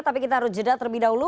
tapi kita harus jeda terlebih dahulu